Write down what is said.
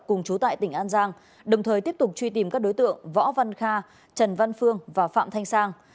cùng chú tại tỉnh an giang đồng thời tiếp tục truy tìm các đối tượng võ văn kha trần văn phương và phạm thanh sang